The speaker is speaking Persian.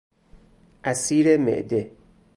عصیر معده